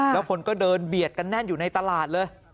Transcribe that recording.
แล้วคนก็เดินเบียดกันแน่นอยู่ในตลาดเลย